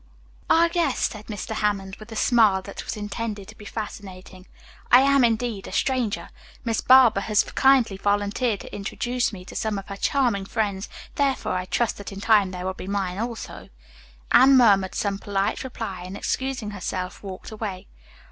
"Ah, yes," said Mr. Hammond, with a smile that was intended to be fascinating. "I am, indeed, a stranger. Miss Barber has kindly volunteered to introduce me to some of her charming friends, therefore I trust that in time they will be mine also." Anne murmured some polite reply, and excusing herself walked away.